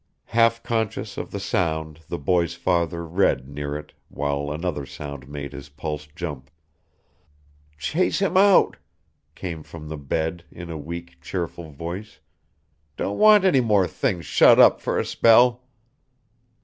Half conscious of the sound the boy's father read near it, when another sound made his pulse jump. "Chase him out," came from the bed in a weak, cheerful voice. "Don't want any more things shut up for a spell."